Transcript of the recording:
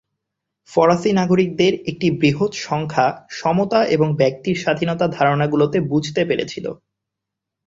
ফরাসি নাগরিকদের একটি বৃহৎ সংখ্যা "সমতা" এবং "ব্যক্তির স্বাধীনতা" ধারণাগুলো বুঝতে পেরেছিল।